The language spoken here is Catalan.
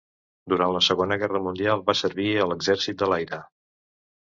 Durant la Segona Guerra Mundial va servir a l'exèrcit de l'aire.